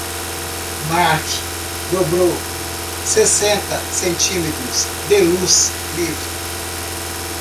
Marc dobrou sessenta centímetros de luz livre.